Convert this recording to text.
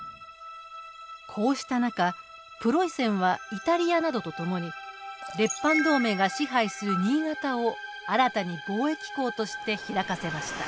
こうした中プロイセンはイタリアなどと共に列藩同盟が支配する新潟を新たに貿易港として開かせました。